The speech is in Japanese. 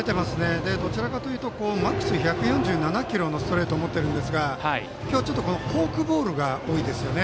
どちらかというとマックス１４７キロのストレートを持っているんですが今日はフォークボールが多いですよね。